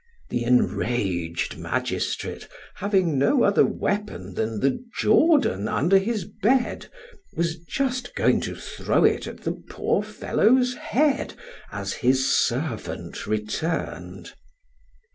The enraged magistrate, having no other weapon than the jordan under his bed, was just going to throw it at the poor fellow's head as his servant returned.